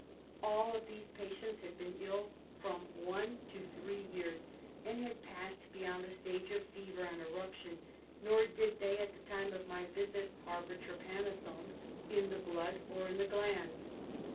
All of these patients had been ill from one to three years, and had passed beyond the stage of fever and eruption, nor did they, at the time of my visit, harbour trypanosomes in the SLEEPING SICKNESS 25 blood or in the glands.